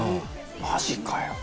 「マジかよ！」